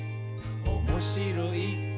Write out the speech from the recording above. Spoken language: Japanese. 「おもしろい？